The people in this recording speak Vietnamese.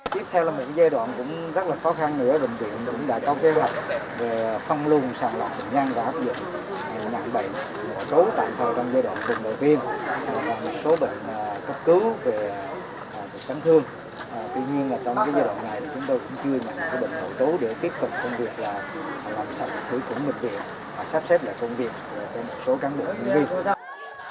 tiếp theo là một giai đoạn cũng rất là khó khăn